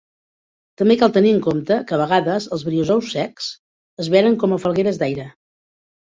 També cal tenir en compte que a vegades els briozous secs es venen com a falgueres d'aire.